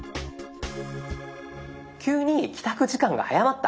急に帰宅時間が早まった。